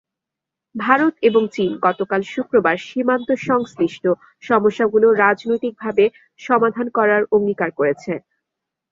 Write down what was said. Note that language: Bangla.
ভারত এবং চীন গতকাল শুক্রবার সীমান্তসংশ্লিষ্ট সমস্যাগুলো রাজনৈতিকভাবে সমাধান করার অঙ্গীকার করেছে।